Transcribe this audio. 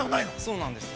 ◆そうなんです。